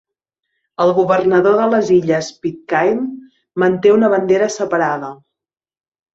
El governador de les illes Pitcairn manté una bandera separada.